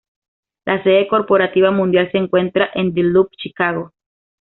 La sede corporativa mundial se encuentra en The Loop, Chicago.